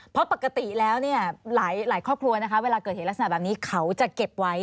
เพราะปกติแล้วเนี่ยหลายครอบครัวนะคะเวลาเกิดเหตุลักษณะแบบนี้เขาจะเก็บไว้